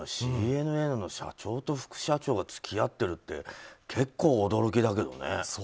でも、ＣＮＮの社長と副社長が付き合ってるって結構驚きだけどね。